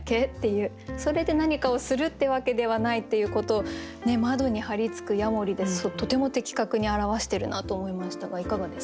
それで何かをするってわけではないっていうことを「窓に張りつくヤモリ」でとても的確に表してるなと思いましたがいかがですか？